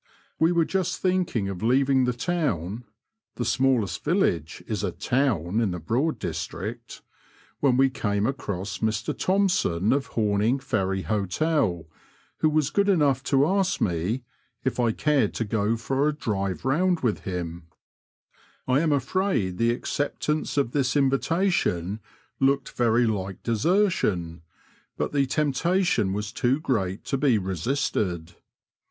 We were just thinking of leaving the town Digitized by VjOOQIC 72 BROADS AND RIVERS OF NORFOLK AND SUFFOLK. (the smallest village is a *' town " in the Broad district), when we came across Mr Thompson, of Horning Ferry Hotel, who was good enough to ask me if I cared to go for a drive round with him.'* I am afraid the acceptance of this invitation looked very like desertion, but the temptation was too great to be resisted.